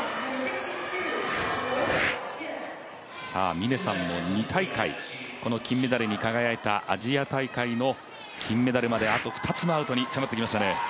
峰さんも２大会、この金メダルに輝いたアジア大会の金メダルまであと２つのアウトに迫ってきましたね。